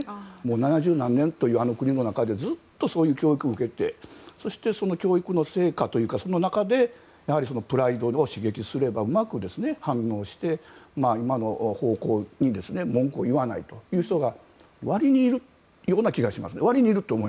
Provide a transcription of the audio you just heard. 七十何年という、あの国の中でずっとそういう教育を受けてそして教育の成果というかその中で、プライドを刺激すればうまく反応して今の方向に文句を言わないという人が割にいるという気がします。